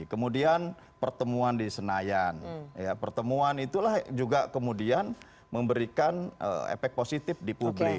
kemudian pertemuan di senayan pertemuan itulah juga kemudian memberikan efek positif di publik